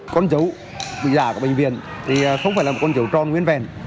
con dấu bị giả của bệnh viện thì không phải là một con dấu tròn nguyên vẹn